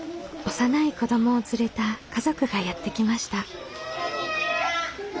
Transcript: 幼い子どもを連れた家族がやって来ました。